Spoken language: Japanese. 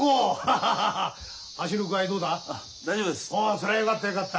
そりゃよかったよかった。